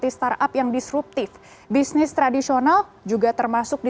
bisnis yang masuk ke kategori ini tidak harus punya karakter yang berbeda